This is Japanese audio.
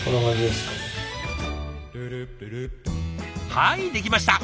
はいできました！